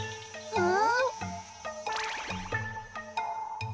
うん？